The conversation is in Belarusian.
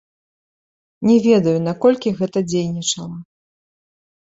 Не ведаю, наколькі гэта дзейнічала.